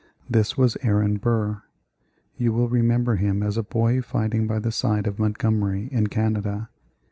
This was Aaron Burr. You will remember him as a boy fighting by the side of Montgomery in Canada.